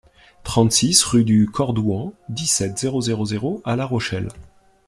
trente-six rue DU CORDOUAN, dix-sept, zéro zéro zéro à La Rochelle